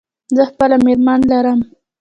زه خپله مېرمن لرم.